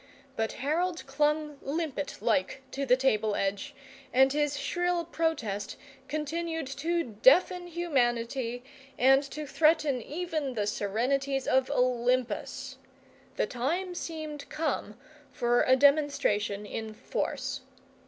But Harold clung limpet like to the table edge, and his shrill protest continued to deafen humanity and to threaten even the serenities of Olympus. The time seemed come for a demonstration in force.